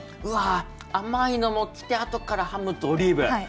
うわ甘いのもきて後からハムとオリーブ。